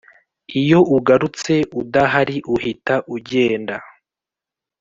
iyo ugarutse udahari uhita ugenda